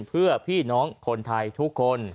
เพื่อพี่น้องคนไทยทุกคน